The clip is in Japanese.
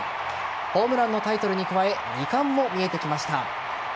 ホームランのタイトルに加え２冠も見えてきました。